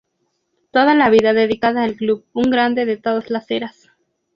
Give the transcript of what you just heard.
Toda la vida dedicada al club, un grande de todas las eras.